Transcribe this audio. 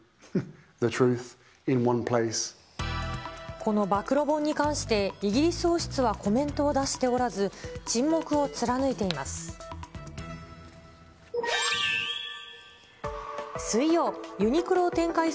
この暴露本に関して、イギリス王室はコメントを出しておらず、沈黙を貫いています。